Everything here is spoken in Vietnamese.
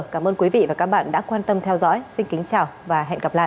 cảm ơn quý vị và các bạn đã quan tâm theo dõi xin kính chào và hẹn gặp lại